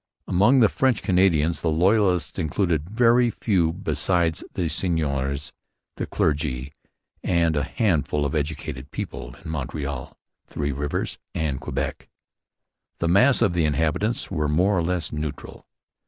Among the French Canadians the loyalists included very few besides the seigneurs, the clergy, and a handful of educated people in Montreal, Three Rivers, and Quebec. The mass of the habitants were more or less neutral.